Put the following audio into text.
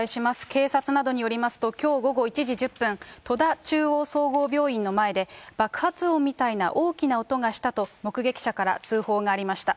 警察などによりますと、きょう午後１時１０分、戸田中央総合病院の前で、爆発音みたいな大きな音がしたと、目撃者から通報がありました。